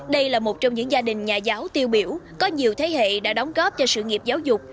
đây là một trong những gia đình nhà giáo tiêu biểu có nhiều thế hệ đã đóng góp cho sự nghiệp giáo dục